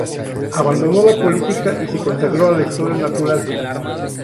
Abandonó la política y se consagró a la Historia natural.